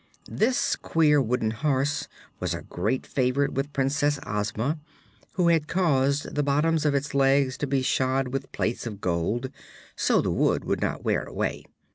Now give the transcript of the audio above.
This queer wooden horse was a great favorite with Princess Ozma, who had caused the bottoms of its legs to be shod with plates of gold, so the wood would not wear away.